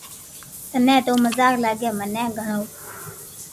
ٿني تو مزاق لاگي مني گھڙو